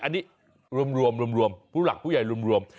อันนี้รวมผู้หลักผู้ใหญ่รวม